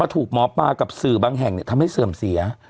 ถูกหมอปลากับสื่อบางแห่งทำให้เสื่อมเสีย